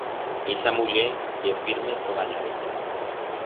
Ixa muller ye firme troballadera.